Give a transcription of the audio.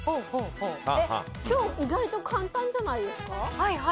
今日、意外と簡単じゃないですか？